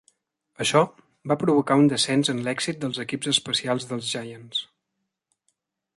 Això va provocar un descens en l'èxit dels equips especials dels Giants.